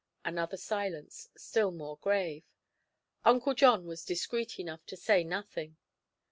Another silence, still more grave. Uncle John was discreet enough to say nothing.